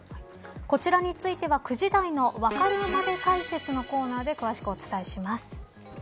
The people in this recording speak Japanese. こちらについては、９時台のわかるまで解説のコーナーで詳しくお伝えします。